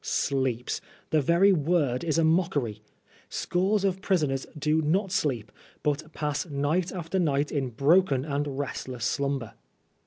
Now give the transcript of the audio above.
Sleeps 1 The very word is a mockery. Scores of prisoners do not sleep, but pass night after night in broken and restless slumber.